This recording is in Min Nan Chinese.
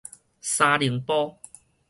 三重埔